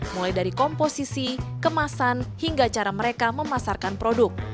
mulai dari komposisi kemasan hingga cara mereka memasarkan produk